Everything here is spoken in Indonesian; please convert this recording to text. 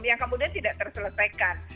yang kemudian tidak terselesaikan